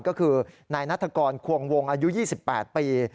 ก็คือนายนัฐกรควงวงอายุ๒๘ปี